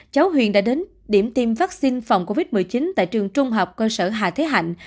cháu huyền đã đến điểm tiêm vaccine phòng covid một mươi chín tại trường trung học cơ sở hà thế hạnh